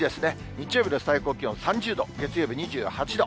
日曜日の最高気温３０度、月曜日２８度、